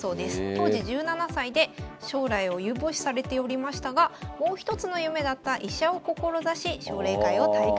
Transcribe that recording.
当時１７歳で将来を有望視されておりましたがもう一つの夢だった医者を志し奨励会を退会しました。